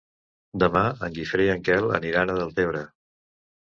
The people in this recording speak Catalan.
Demà en Guifré i en Quel aniran a Deltebre.